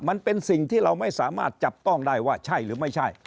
มันเป็นสิ่งที่เราไม่สามารถจับต้องได้ว่าใช่หรือไม่ใช่